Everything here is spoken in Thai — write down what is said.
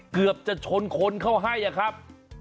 เกือบจะชนคนเข้าให้อะครับ